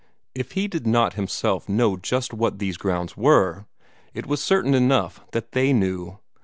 If he did not himself know just what these grounds were, it was certain enough that THEY knew.